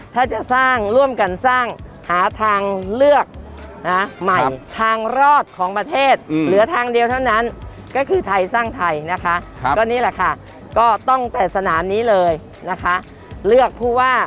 ถ้าจะสร้างร่วมกันสร้างหาทางเลือกใหม่ทางรอดของประเทศเหลือทางเดียวเท่านั้นก็คือไทยสร้างไทยนะคะก็นี่แหละค่ะก็ตั้งแต่สนามนี้เลยนะคะเลือกผู้ว่า